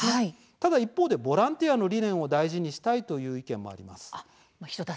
ただ一方でボランティアの理念を大事にしたいという意見もあります。